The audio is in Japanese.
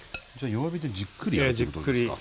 弱火でじっくり焼くということですか？